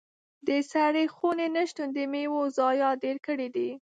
د سړې خونې نه شتون د میوو ضايعات ډېر کړي دي.